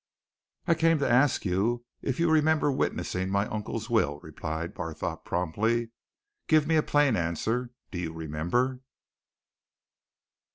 "I came to ask you if you remember witnessing my uncle's will," replied Barthorpe promptly. "Give me a plain answer. Do you remember?"